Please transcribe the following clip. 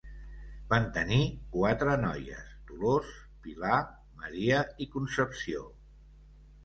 Van tenir quatre noies; Dolors, Pilar, Maria i Concepció.